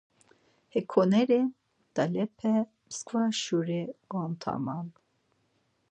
Hekonuri mt̆alepe msǩva şuri gont̆aman.